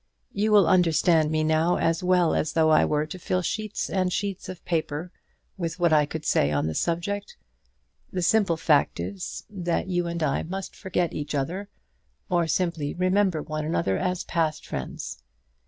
You will understand me now as well as though I were to fill sheets and sheets of paper with what I could say on the subject. The simple fact is, that you and I must forget each other, or simply remember one another as past friends.